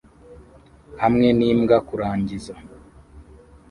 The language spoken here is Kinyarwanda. Hamwe n'imbwa kurangiza